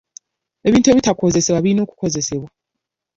Ebintu ebitakozesebwa birina okukozesebwa.